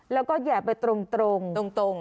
แล้วก็แห่ไปตรงตรง